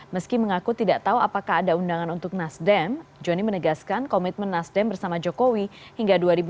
meski mengaku tidak tahu apakah ada undangan untuk nasdem joni menegaskan komitmen nasdem bersama jokowi hingga dua ribu dua puluh